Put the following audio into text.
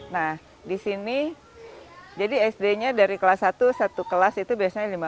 nah disini jadi sd nya dari kelas satu ke kelas dua